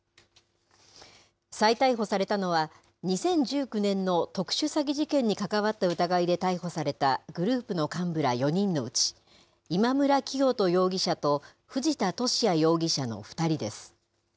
再逮捕されたのは、２０１９年の特殊詐欺事件に関わった疑いで逮捕されたグループの幹部ら４人のうち今村磨人容疑者と藤田聖也容疑者の２人です。